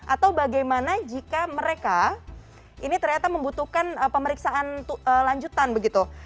atau bagaimana jika mereka ini ternyata membutuhkan pemeriksaan lanjutan begitu